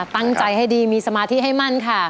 ตั้งใจให้ดีมีสมาธิให้มั่นค่ะ